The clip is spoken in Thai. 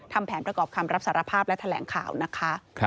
ทำแผนประกอบคำรับสารภาพและแถลงข่าวนะคะ